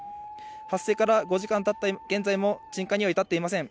発生から５時間たった現在も、鎮火には至っていません。